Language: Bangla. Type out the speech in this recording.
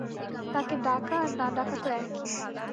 তাকে ডাকা আর না ডাকা তো একই।